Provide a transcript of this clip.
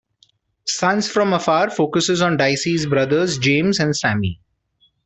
"Sons from Afar" focuses on Dicey's brothers, James and Sammy.